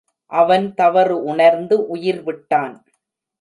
அவன் தவறு உணர்ந்து உயிர்விட்டான்.